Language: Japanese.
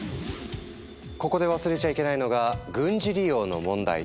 ここで忘れちゃいけないのが軍事利用の問題。